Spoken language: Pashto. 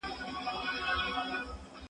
زه مخکي چپنه پاک کړې وه!.